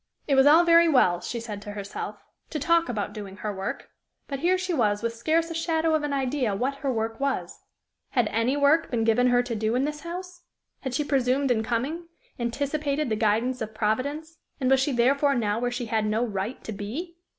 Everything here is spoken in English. It was all very well, she said to herself, to talk about doing her work, but here she was with scarce a shadow of an idea what her work was! Had any work been given her to do in this house? Had she presumed in coming anticipated the guidance of Providence, and was she therefore now where she had no right to be?